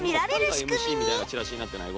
もう２人がＭＣみたいなチラシになってない？